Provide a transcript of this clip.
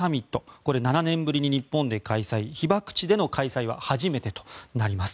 これ、７年ぶりに日本で開催被爆地での開催は初めてとなります。